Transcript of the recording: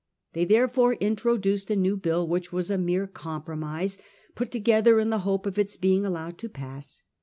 They therefore intro duced a new bill which was a mere compromise put together in the hope of its being allowed to pass.